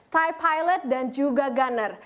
thai pilot dan juga gunner